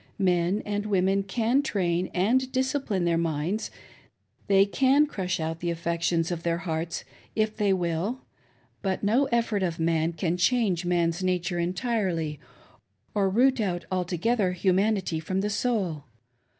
Men and women can train and discipline their minds, they can crush out the' affections of their hearts if they will; but no effort of man can change man's nature entirely or root out altogether humanity from the soul.